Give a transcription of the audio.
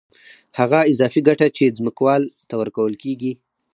هغه اضافي ګټه چې ځمکوال ته ورکول کېږي